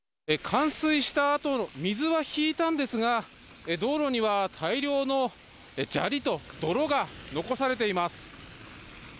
冠水したあと、水は引いたんですが、道路には大量の砂利と泥が残されています。